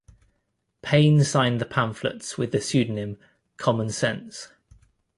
Paine signed the pamphlets with the pseudonym, Common Sense.